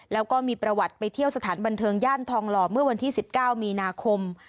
แล้วก็มีประวัติไปเที่ยวสถานบันเทิงย่านทองหล่อเมื่อวันที่๑๙มีนาคม